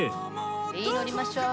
はい乗りましょう。